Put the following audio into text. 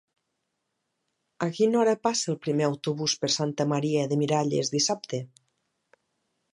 A quina hora passa el primer autobús per Santa Maria de Miralles dissabte?